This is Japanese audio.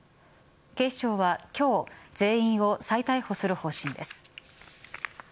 警視庁は今日全員を再逮捕する方針です。